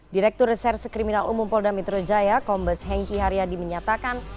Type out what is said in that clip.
direktur reserse kriminal umum polda metro jaya kombes hengki haryadi menyatakan